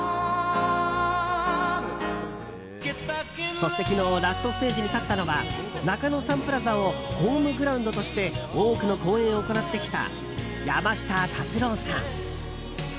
そして、昨日ラストステージに立ったのは中野サンプラザをホームグラウンドとして多くの公演を行ってきた山下達郎さん。